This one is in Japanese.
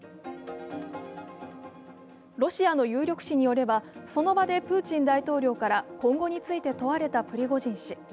ロシアの有力紙によればその場でプーチン大統領から今後について問われたプリゴジン氏。